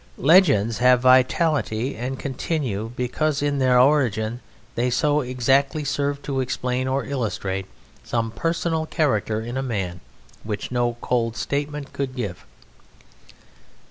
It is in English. Legends have vitality and continue, because in their origin they so exactly serve to explain or illustrate some personal character in a man which no cold statement could give.